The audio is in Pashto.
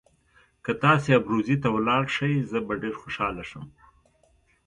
که تاسي ابروزي ته ولاړ شئ زه به ډېر خوشاله شم.